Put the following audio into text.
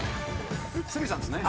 鷲見さんですね。